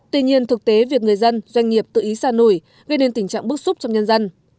tuy nhiên thực tế việc người dân doanh nghiệp tự ý sa nổi gây nên tình trạng bức xúc trong nhân dân